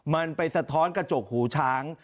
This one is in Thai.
มันไปสะท้อนกระจกหูช้าง